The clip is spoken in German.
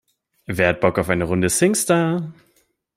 Wer hat Bock auf eine Runde Singstar?